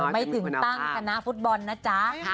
ไม่ถึงตั้งคณะฟุตบอลนะจ๊ะ